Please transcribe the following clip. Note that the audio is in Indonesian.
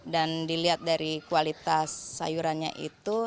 dan dilihat dari kualitas sayurannya itu